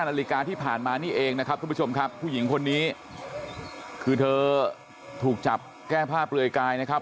นาฬิกาที่ผ่านมานี่เองนะครับทุกผู้ชมครับผู้หญิงคนนี้คือเธอถูกจับแก้ผ้าเปลือยกายนะครับ